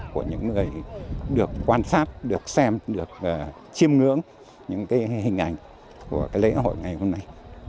của những người được quan sát được xem được chiêm ngưỡng những cái hình ảnh của lễ hội ngày hôm nay